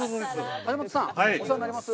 橋本さん、お世話になります。